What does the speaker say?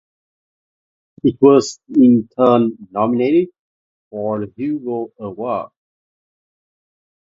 It was in turn nominated for the Hugo Award.